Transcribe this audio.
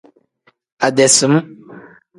Ade sim.